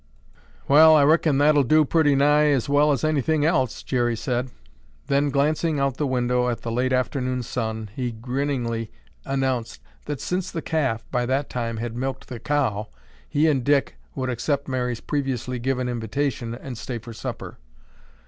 '" "Well, I reckon that'll do pretty nigh as well as anything else," Jerry said. Then, glancing out of the window at the late afternoon sun, he grinningly announced that since the calf, by that time, had milked the cow, he and Dick would accept Mary's previously given invitation and stay for supper.